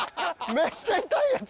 めっちゃ痛いやつやん。